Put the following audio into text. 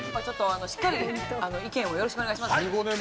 しっかり意見をよろしくお願いします。